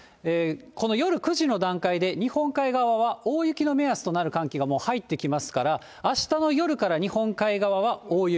この夜９時の段階で、日本海側は大雪の目安となる寒気がもう入ってきますから、あしたの夜から日本海側は大雪。